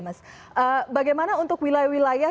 mas bagaimana untuk wilayah wilayah